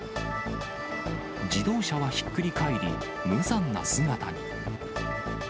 自動車はひっくり返り、無残な姿に。